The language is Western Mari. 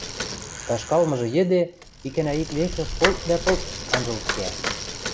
ташкалмыжы йӹде икӓнӓ-ик векӹ полт дӓ полт анжылт кеӓ.